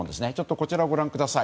こちらをご覧ください。